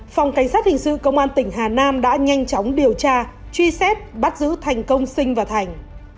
phòng cảnh sát hình sự công an tỉnh hà nam đã nhanh chóng điều tra truy xét bắt giữ thành công sinh và thành